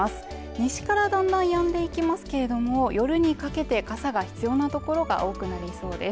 西からだんだん止んでいきますけれども夜にかけて傘が必要なところが多くなりそうです。